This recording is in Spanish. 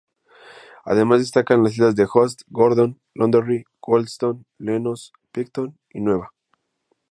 Además destacan las islas de Hoste, Gordon, Londonderry, Wollaston, Lenox, Picton y Nueva.